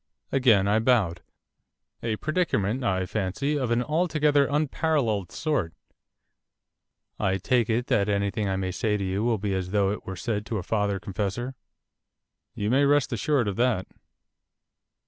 Again I bowed. 'A predicament, I fancy, of an altogether unparalleled sort. I take it that anything I may say to you will be as though it were said to a father confessor.' 'You may rest assured of that.